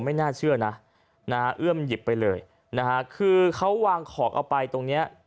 ไม่น่าเชื่อนะเอื้อมหยิบไปเลยคือเขาวางขอกออกไปตรงนี้